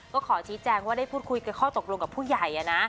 ก็ขอชี้แจงว่าได้พูดคุยกับข้อตกลงกับผู้ใหญ่นะ